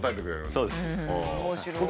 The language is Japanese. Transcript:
そうです。